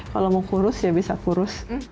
kalau mau kurus ya bisa kurus